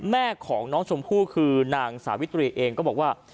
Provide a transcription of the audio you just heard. แม่ของน้องชมพู่คือนางสาวิตรีเองก็บอกว่า